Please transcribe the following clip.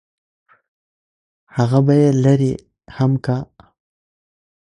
همغه به يې لرې هم کا.